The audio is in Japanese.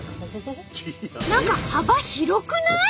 何か幅広くない？